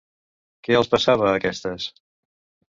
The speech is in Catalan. Què els passava a aquestes?